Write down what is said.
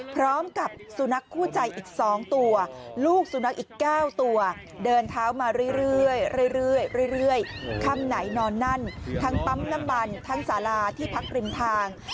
พร้อมกับสุนัขคู่ใจอีก๒ตัวลูกสุนัขอีก๙ตัวเดินเท้ามาเรื่อยค่ำไหนนอนนั่นทั้งปั๊มน้ำมันทั้งสาราที่พักริมทาง